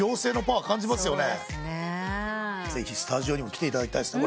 ぜひスタジオにも来ていただきたいですね。